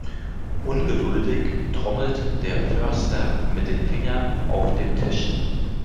Ungeduldig trommelt der Förster mit den Fingern auf dem Tisch.